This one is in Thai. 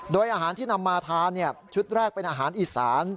โดยอาหารที่นำมาทานชุดแรกเป็นอาหารอีสาน